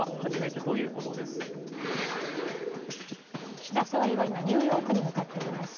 岸田総理は今、ニューヨークに向かっています。